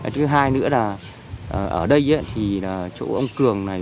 thứ hai nữa là ở đây thì chỗ ông cường này